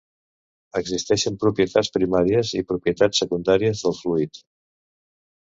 Existeixen propietats primàries i propietats secundàries del fluid.